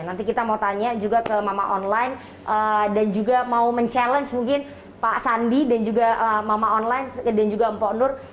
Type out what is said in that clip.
nanti kita mau tanya juga ke mama online dan juga mau mencabar mungkin pak sandi dan juga mama online dan juga mpok nur